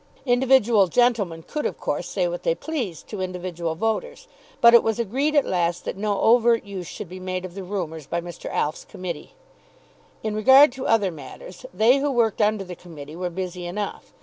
Individual gentlemen could, of course, say what they pleased to individual voters; but it was agreed at last that no overt use should be made of the rumours by Mr. Alf's Committee. In regard to other matters, they who worked under the Committee were busy enough.